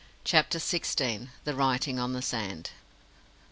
CHAPTER XVI. THE WRITING ON THE SAND.